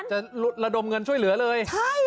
จะลดละดมเงินช่วยเหลือเลย